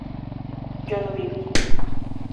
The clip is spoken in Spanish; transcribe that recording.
yo no viví